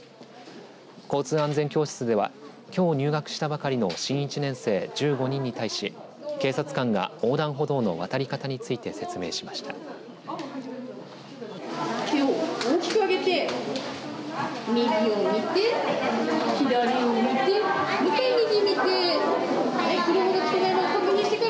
交通安全教室ではきょう入学したばかりの新１年生１５人に対し警察官が横断歩道の渡り方について説明しました。